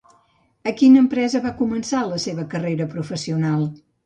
A quina empresa va començar la seva carrera professional?